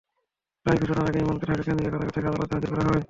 রায় ঘোষণার আগে ইমনকে ঢাকা কেন্দ্রীয় কারাগার থেকে আদালতে হাজির করা হয়।